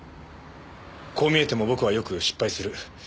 こう見えても僕はよく失敗する。